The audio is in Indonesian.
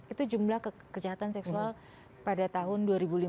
itu jumlah kejahatan seksual pada tahun dua ribu lima belas